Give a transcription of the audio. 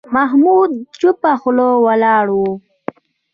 محمود چوپه خوله ولاړ و.